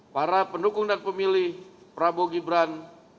para pendukung dan pemilih prabowo gibran